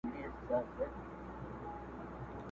کور به وران وي د سرتوري پر اوربل به یې اوُر بل وي.!